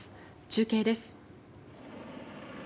中継です。